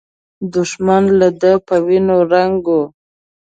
دښمن له ده په وینو رنګ و.